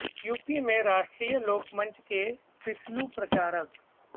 UP में राष्ट्रीय लोक मंच के फिसलू प्रचारक